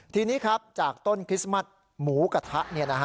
ทีนี้ครับจากต้นคริสต์มัสหมูกระทะ